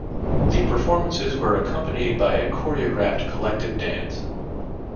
The performances were accompanied by a choreographed collective dance.